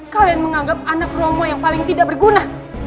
kalian menganggap anak romo yang paling tidak berguna